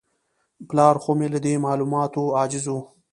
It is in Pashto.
پلار خو مې له دې معلوماتو عاجز و.